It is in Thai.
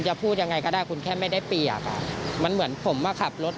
พูดยังไงก็ได้คุณแค่ไม่ได้เปียกอ่ะมันเหมือนผมมาขับรถ